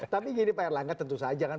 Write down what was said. tapi gini pak erlangga tentu saja kan